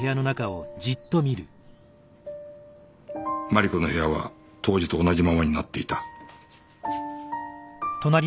真梨子の部屋は当時と同じままになっていた